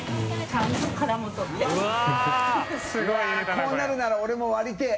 こうなるなら俺も割りたい。